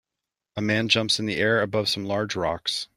A man jumps in the air above some large rocks.